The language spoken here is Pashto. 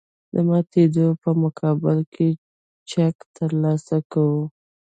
د ماتېدو په مقابل کې چک ترسره کوو